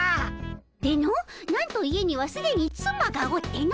でのなんと家にはすでにつまがおっての。